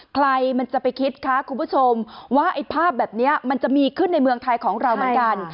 ใครมันจะไปคิดคะคุณผู้ชมว่าไอ้ภาพแบบนี้มันจะมีขึ้นในเมืองไทยของเราเหมือนกัน